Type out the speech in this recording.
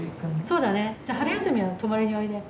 そうだねじゃあ春休みは泊まりにおいで。